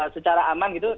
secara aman gitu